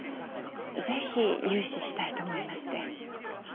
ぜひ融資したいと思いまして